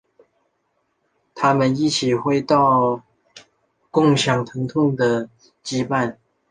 他们一起体会到共享疼痛的羁绊。